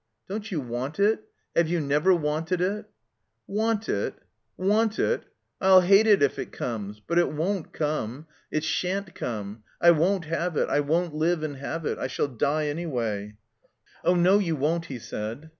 Don't you want it ? Have you never wanted it ?" "Want it? Want it? I'll hate it if it comes. But it won't come. It sha'n't come. I won't have it. I won't live and have it. I shall die anyway." "Oh no, you won't," he said.